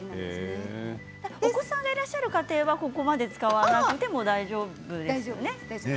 お子さんがいらっしゃる場合はここで使わなくて大丈夫ですね？